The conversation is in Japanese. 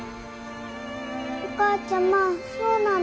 お母ちゃまそうなの？